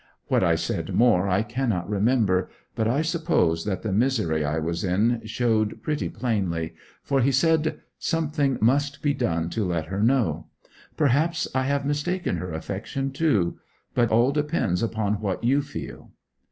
What I said more I cannot remember, but I suppose that the misery I was in showed pretty plainly, for he said, 'Something must be done to let her know; perhaps I have mistaken her affection, too; but all depends upon what you feel.'